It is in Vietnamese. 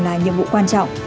là nhiệm vụ quan trọng